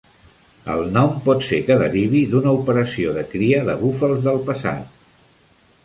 El nom pot ser que derivi d'una operació de cria de búfals del passat.